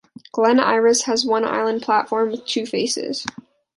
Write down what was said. Glen Iris has one island platform with two faces.